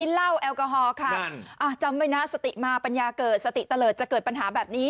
เหล้าแอลกอฮอล์ค่ะจำไว้นะสติมาปัญญาเกิดสติเตลิศจะเกิดปัญหาแบบนี้